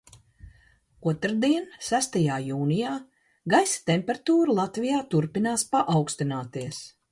Otrdien, sestajā jūnijā, gaisa temperatūra Latvijā turpinās paaugstināties.